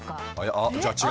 あっじゃあ違うんだ。